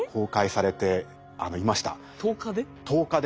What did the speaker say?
１０日で？